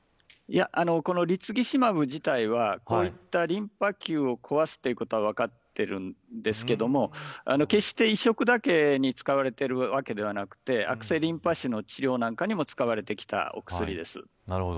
このリツキシマブ自体はこういったリンパ球を壊すということは分かっているんですけども決して移植だけに使われているわけではなくて悪性リンパ腫の治療などにも使われてきたお薬です。